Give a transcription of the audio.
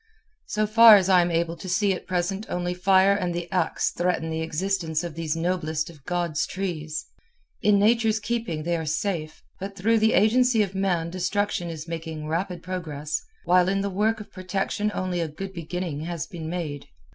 So far as I am able to see at present only fire and the ax threaten the existence of these noblest of God's trees. In Nature's keeping they are safe, but through the agency of man destruction is making rapid progress, while in the work of protection only a good beginning has been made.